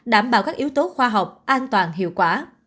đảm bảo các yếu tố khoa học an toàn hiệu quả